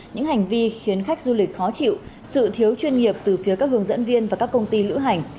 những hành vi khiến khách du lịch khó chịu sự thiếu chuyên nghiệp từ phía các hướng dẫn viên và các công ty lữ hành